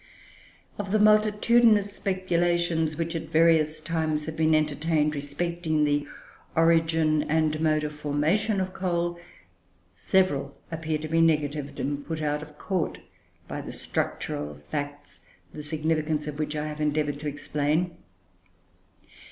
Of the multitudinous speculations which, at various times, have been entertained respecting the origin and mode of formation of coal, several appear to be negatived, and put out of court, by the structural facts the significance of which I have endeavoured to explain.